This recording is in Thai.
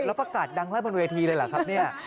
แล้วประกาศดังแรกบนเวทีเลยเหรอครับเนี่ย